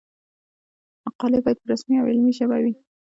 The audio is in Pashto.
مقالې باید په رسمي او علمي ژبه وي.